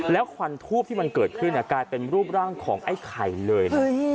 แล้วควันทูบที่มันเกิดขึ้นกลายเป็นรูปร่างของไอ้ไข่เลยนะ